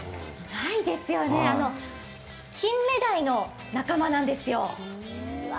ないですよね、金目鯛の仲間なんですよ。